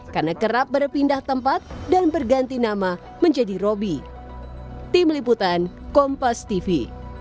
karena kerap berpindah tempat dan berganti nama menjadi robby